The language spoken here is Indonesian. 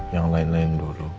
yang lain lain dulu